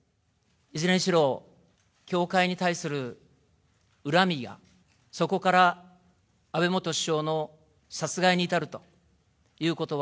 いずれにしろ、教会に対する恨みや、そこから安倍元首相の殺害に至るということ